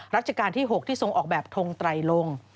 รัชกาลที่๖ที่ทรงออกแบบทงไตรลง